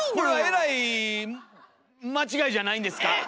これはえらい間違いじゃないんですか。